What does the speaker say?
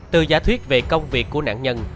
từ giả thuyết về công việc của nạn nhân